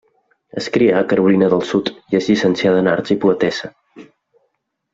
Es crià a Carolina del Sud, i és llicenciada en arts i poetessa.